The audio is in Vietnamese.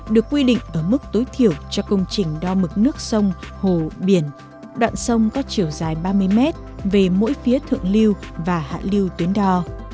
được quy định ở mức tối thiểu cho công trình đo mực nước sông hồ biển đoạn sông có chiều dài ba mươi mét về mỗi phía thượng lưu và hạ lưu tuyến đo